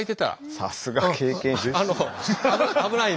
さすが経験者。